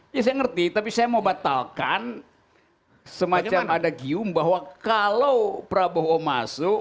ya saya ngerti tapi saya mau batalkan semacam ada gium bahwa kalau prabowo masuk